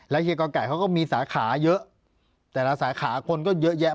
เฮียกอไก่เขาก็มีสาขาเยอะแต่ละสาขาคนก็เยอะแยะ